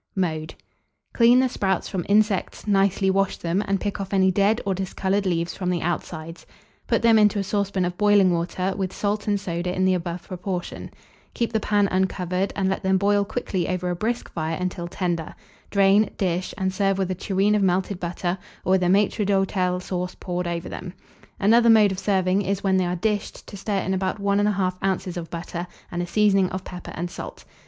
Mode. Clean the sprouts from insects, nicely wash them, and pick off any dead or discoloured leaves from the outsides; put them into a saucepan of boiling water, with salt and soda in the above proportion; keep the pan uncovered, and let them boil quickly over a brisk fire until tender; drain, dish, and serve with a tureen of melted butter, or with a maître d'hôtel sauce poured over them. Another mode of serving is, when they are dished, to stir in about 1 1/2 oz. of butter and a seasoning of pepper and salt.